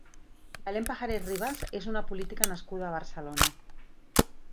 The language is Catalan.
Belén Pajares Ribas és una política nascuda a Barcelona.